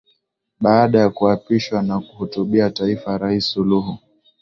Baada ya kuapishwa na kuhutubia taifa Rais Suluhu